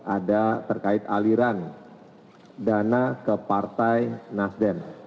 ada terkait aliran dana ke partai nasdem